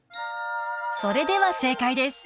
それでは正解です